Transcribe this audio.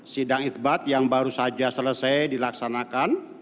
sidang isbat yang baru saja selesai dilaksanakan